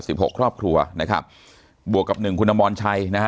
หกครอบครัวนะครับบวกกับหนึ่งคุณอมรชัยนะฮะ